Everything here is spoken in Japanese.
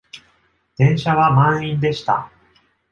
電車は満員でした。